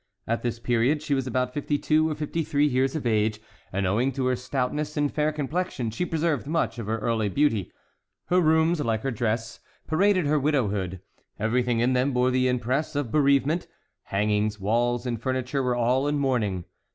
At this period she was about fifty two or fifty three years of age, and owing to her stoutness and fair complexion she preserved much of her early beauty. Her rooms, like her dress, paraded her widowhood. Everything in them bore the impress of bereavement: hangings, walls, and furniture were all in mourning.